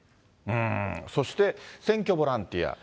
そして選挙ボランティア。